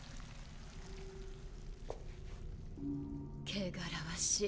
汚らわしい。